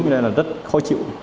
vì thế là rất khó chịu